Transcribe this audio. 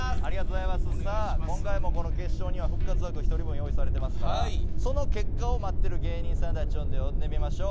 今回のこの決勝には復活枠が１人分用意されてますからその結果を待ってる芸人さんたちを呼んでみましょう。